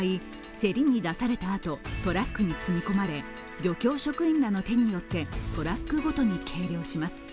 競りに出されたあと、トラックに積み込まれ漁協職員らの手によってトラックごとに計量します。